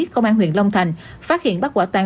công an huyện long thành phát hiện bắt quả tang